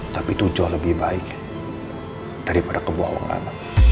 tapi itu jauh lebih baik daripada kebohongan